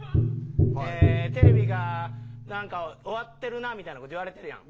えテレビが何か終わってるなみたいなこと言われてるやん。